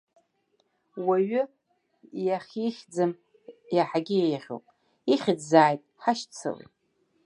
Уаҩы иахьихьӡым иаҳагьы еиӷьуп, ихьӡзааит, ҳашьцылеит.